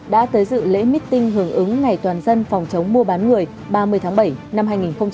đã tới dự lễ meeting hưởng ứng ngày toàn dân phòng chống mua bán người ba mươi tháng bảy năm hai nghìn hai mươi